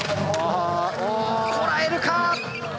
こらえるか！？